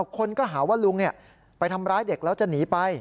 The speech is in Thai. คนก็หาว่าลุงไปทำร้ายเด็กแล้วจะหนีไป